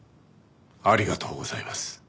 ありがとうございます。